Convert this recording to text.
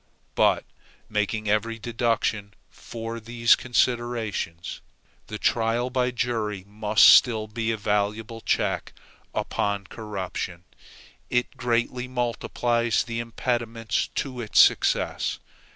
But making every deduction for these considerations, the trial by jury must still be a valuable check upon corruption. It greatly multiplies the impediments to its success.